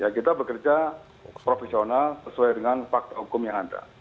kita bekerja profesional sesuai dengan fakta hukum yang ada